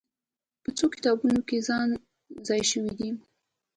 په څو کتابونو کې ځای شوې دي.